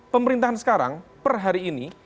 pemerintahan sekarang per hari ini